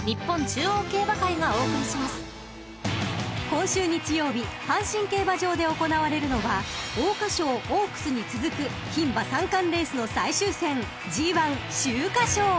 ［今週日曜日阪神競馬場で行われるのは桜花賞オークスに続く牝馬三冠レースの最終戦ＧⅠ秋華賞］